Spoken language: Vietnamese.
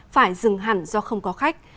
phải dừng hẳn do không có khách